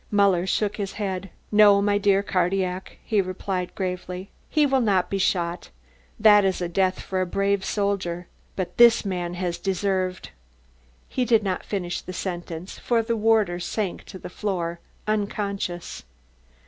Muller shook his head. "No, my dear Cardillac," he replied gravely. "He will not be shot that is a death for a brave soldier but this man has deserved " He did not finish the sentence, for the warder sank to the floor unconscious.